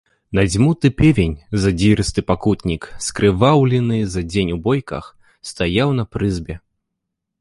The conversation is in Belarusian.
Надзьмуты певень, задзірысты пакутнік, скрываўлены за дзень у бойках, стаяў на прызбе.